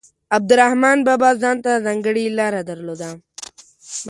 عبدالرحمان بابا ځانته ځانګړې لاره درلوده.